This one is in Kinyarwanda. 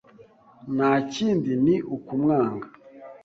Nta kindi ni ukumwanga”